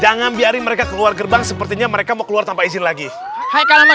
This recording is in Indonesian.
jangan biarin mereka keluar gerbang sepertinya mereka mau keluar tanpa izin lagi hai